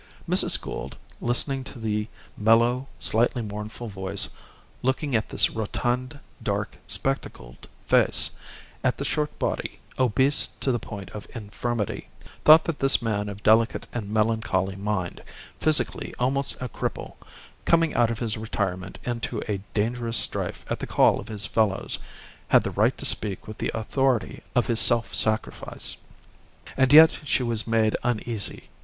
Mrs. Gould, listening to the mellow, slightly mournful voice, looking at this rotund, dark, spectacled face, at the short body, obese to the point of infirmity, thought that this man of delicate and melancholy mind, physically almost a cripple, coming out of his retirement into a dangerous strife at the call of his fellows, had the right to speak with the authority of his self sacrifice. And yet she was made uneasy.